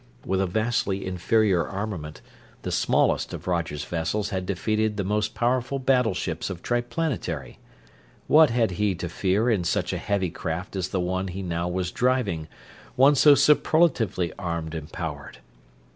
With a vastly inferior armament the smallest of Roger's vessels had defeated the most powerful battleships of Triplanetary; what had he to fear in such a heavy craft as the one he now was driving, one so superlatively armed and powered?